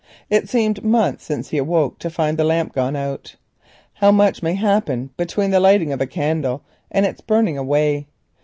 It seemed months since he awoke to find the lamp gone out. How much may happen between the lighting of a candle and its burning away!